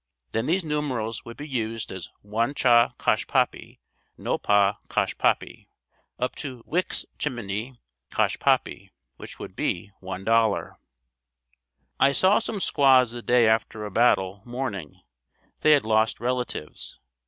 Then these numerals would be used as One cha Cosh poppy, No pa Cosh poppy, up to Wix chiminey Cosh poppy, which would be $1. I saw some squaws the day after a battle, mourning. They had lost relatives.